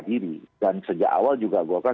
diri dan sejak awal juga golkar